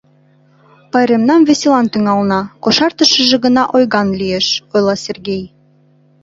Пайремнам веселан тӱҥална, кошартышыже гына ойган лиеш, — ойла Сергей.